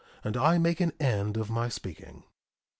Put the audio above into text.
And I make an end of my speaking.